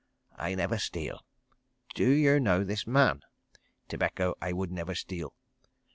"I never steal." "Do you know this man?" "Tobacco I would never steal."